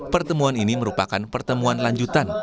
pertemuan ini merupakan pertemuan lanjutan